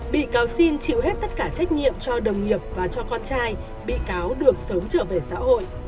bị cáo xin chịu hết tất cả trách nhiệm cho đồng nghiệp và cho con trai bị cáo được sớm trở về xã hội